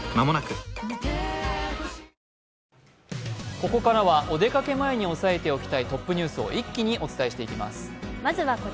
ここからはお出かけ前に押さえておきたいトップニュースを一気にお伝えしていきます。